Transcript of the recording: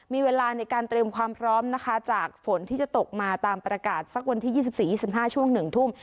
มีเวลาในการเตรียมความพร้อมนะคะจากฝนที่จะตกมาตามประกาศสักวันที่๒๔๒๕ช่วง๑ทุ่ม